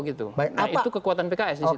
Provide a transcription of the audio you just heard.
nah itu kekuatan pks